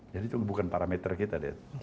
jadi itu bukan parameter kita